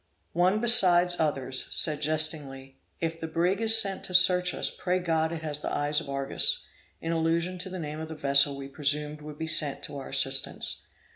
One, besides others, said jestingly, 'If the brig is sent to search for us, pray God it has the eyes of Argus,' in allusion to the name of the vessel we presumed would be sent to our assistance.